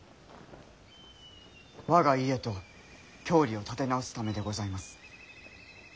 我が家と郷里を立て直すためでございます。